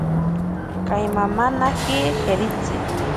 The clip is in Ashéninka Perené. Kaimamanaji jeritzi.